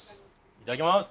いただきます！